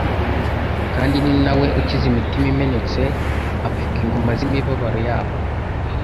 Kandi ni na we «Ukiza imitima imenetse, apfuka inguma z'imibabaro yabo'.»